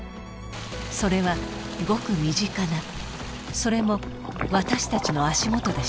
それはごく身近なそれも私たちの足元でした。